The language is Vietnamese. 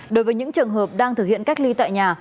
đối với những trường hợp đang thực hiện cách ly tại nhà